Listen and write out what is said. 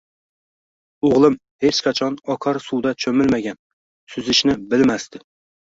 O`g`lim hech qachon oqar suvda cho`milmagan, suzishni bilmasdi